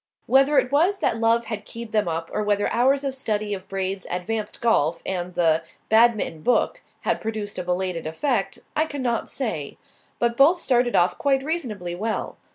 Whether it was that love had keyed them up, or whether hours of study of Braid's "Advanced Golf" and the Badminton Book had produced a belated effect, I cannot say; but both started off quite reasonably well.